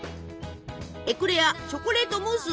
エクレアチョコレートムース